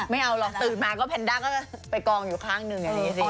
ไม่เอาหรอกตื่นมาก็แพนด้าก็จะไปกองอยู่ข้างหนึ่งอย่างนี้สิ